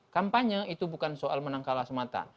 kampanye itu bukan soal menang kalah semata